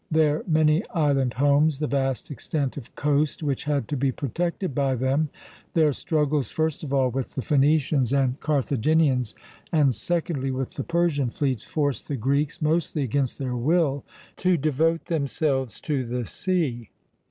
Their many island homes, the vast extent of coast which had to be protected by them, their struggles first of all with the Phoenicians and Carthaginians, and secondly with the Persian fleets, forced the Greeks, mostly against their will, to devote themselves to the sea.